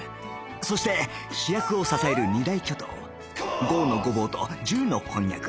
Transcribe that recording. そして主役を支える二大巨頭剛のごぼうと柔のこんにゃく